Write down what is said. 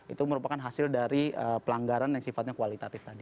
itu merupakan hasil dari pelanggaran yang sifatnya kualitatif tadi